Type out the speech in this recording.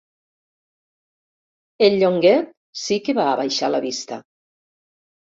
El Llonguet sí que va abaixar la vista.